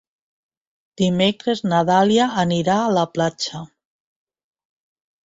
Dimecres na Dàlia irà a la platja.